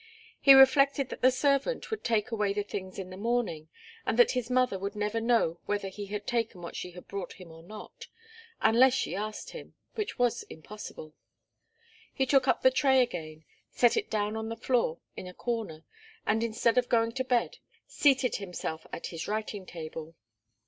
He reflected that the servant would take away the things in the morning, and that his mother would never know whether he had taken what she had brought him or not, unless she asked him, which was impossible. He took up the tray again, set it down on the floor, in a corner, and instead of going to bed seated himself at his writing table.